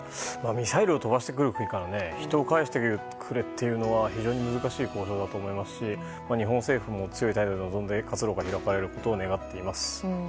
ミサイルを飛ばしてくる国から人を返してくれっていうのは非常に難しい交渉だと思いますし日本政府も、強い態度で臨んで活路が開かれることを願います。